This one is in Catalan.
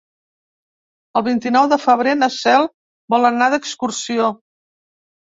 El vint-i-nou de febrer na Cel vol anar d'excursió.